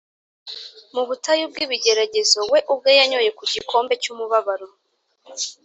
Mu butayu bw’ibigeragezo, we ubwe yanyoye ku gikombe cy’umubabaro